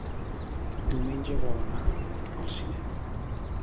Diumenge vol anar al cinema.